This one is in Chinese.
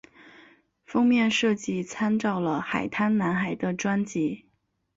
封面设计参照了海滩男孩的专辑。